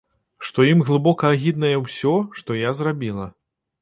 Што ім глыбока агіднае ўсё, што я зрабіла.